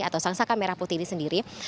atau sang saka merah putih ini sendiri